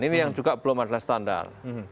ini yang juga belum ada standar